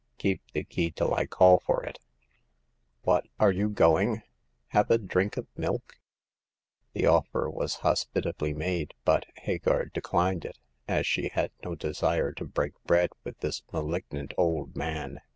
Keep the key till I call for it. What I are you going ? Have a drink of milk ?" The offer was hospitably made, but Hagar de clined it, as she had no desire to break bread with this malignant old man.